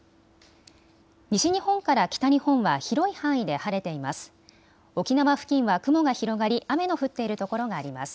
西日本から北日本は広い範囲で晴れています。